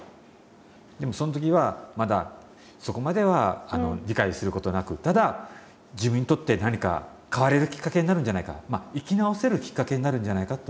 でもその時はまだそこまでは理解することなくただ自分にとって何か変われるきっかけになるんじゃないか生き直せるきっかけになるんじゃないかと思われたわけですね。